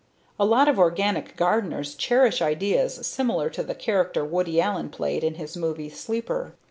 A lot of organic gardeners cherish ideas similar to the character Woody Allen played in his movie, Sleeper.